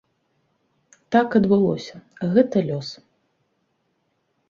Так адбылося, гэта лёс.